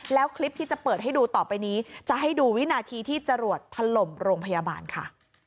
แล้วคลิปที่จะเปิดให้ดูต่อไปนี้จะให้ดูวินาทีที่จรวดถล่มโรงพยาบาลค่ะ